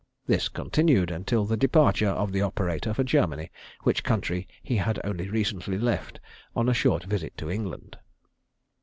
This continued until the departure of the operator for Germany, which country he had only recently left on a short visit to England.